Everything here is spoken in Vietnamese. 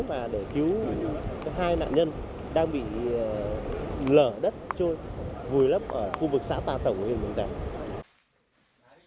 và để cứu hai nạn nhân đang bị lở đất vùi lấp ở khu vực xã tà tổng huyện mường tè